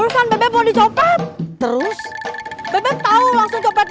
rasain kamu beran beran nyopat saya